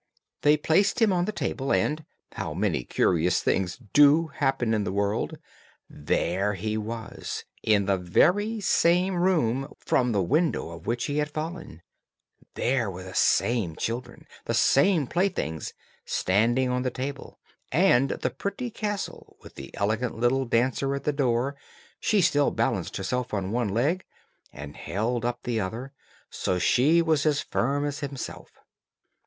They placed him on the table, and how many curious things do happen in the world! there he was in the very same room from the window of which he had fallen, there were the same children, the same playthings, standing on the table, and the pretty castle with the elegant little dancer at the door; she still balanced herself on one leg, and held up the other, so she was as firm as himself.